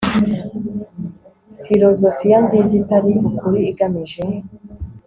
Filozofiya nziza itari ukuri igamije